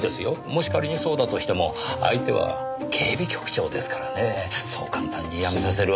もし仮にそうだとしても相手は警備局長ですからねそう簡単に辞めさせるわけには。